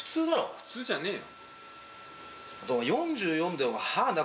普通じゃねえよ。